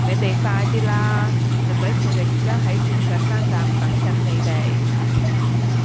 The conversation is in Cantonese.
你哋快啲啦!侄仔佢哋而家喺鑽石山站等緊你哋